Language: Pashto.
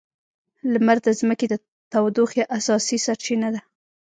لمر د ځمکې د تودوخې اساسي سرچینه ده.